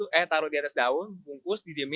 nah nanti aroma panasnya itu bungkus di daun